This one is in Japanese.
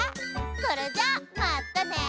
それじゃまたね。